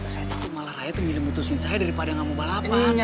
saya takut malah raya itu milih putusin saya daripada gak mau balapan